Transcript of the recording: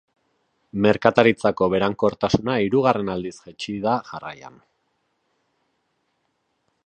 Merkataritzako berankortasuna hirugarren aldiz jaitsi da jarraian.